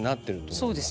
そうですね。